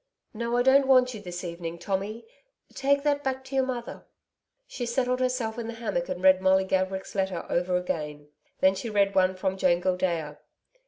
'No, I don't want you this evening, Tommy. Take that back to your mother.' She settled herself in the hammock and read Molly Gaverick's letter over again. Then she read one from Joan Gildea.